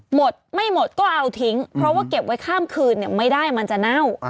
หมดไม่หมดก็เอาทิ้งเพราะว่าเก็บไว้ข้ามคืนไม่ได้มันจะเน่า